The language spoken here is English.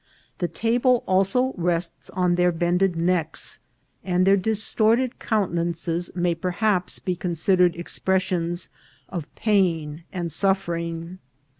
The table also rests upon their bended necks, and their distorted countenances may perhaps be considered expressions of pain and suffering.